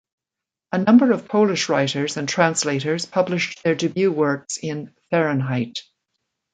A number of Polish writers and translators published their debut works in "Fahrenheit".